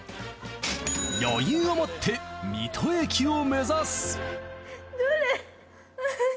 余裕をもって水戸駅を目指す！